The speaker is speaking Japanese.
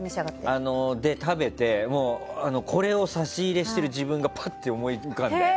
食べてこれを差し入れしている自分がパッて思い浮かんで。